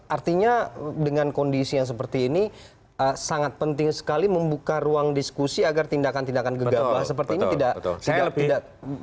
artinya dengan kondisi yang seperti ini sangat penting sekali membuka ruang diskusi agar tindakan tindakan gegar belah seperti ini tidak berlanjut begitu ya